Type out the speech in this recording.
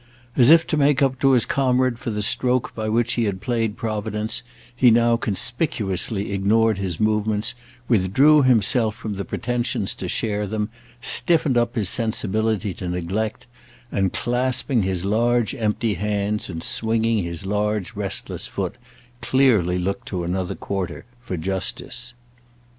As if to make up to his comrade for the stroke by which he had played providence he now conspicuously ignored his movements, withdrew himself from the pretension to share them, stiffened up his sensibility to neglect, and, clasping his large empty hands and swinging his large restless foot, clearly looked to another quarter for justice.